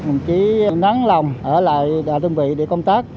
mình chỉ nắng lòng ở lại đại đồng vị để công tác